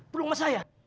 perlu sama saya